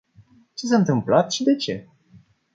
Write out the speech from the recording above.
Ce s-a întâmplat și de ce?